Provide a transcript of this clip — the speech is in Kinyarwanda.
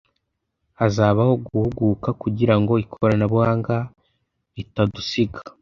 Hazabaho guhuguka kugira ngo ikoranabuhanga ritadusiga.